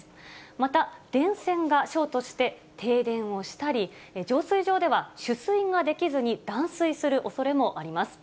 また、電線がショートして、停電をしたり、浄水場では取水ができずに断水するおそれもあります。